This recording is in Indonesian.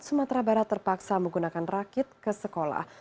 sumatera barat terpaksa menggunakan rakit ke sekolah